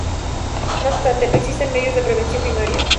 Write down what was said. No obstante, no existen medios de prevención primaria.